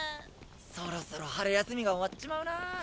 そろそろ春休みが終わっちまうな。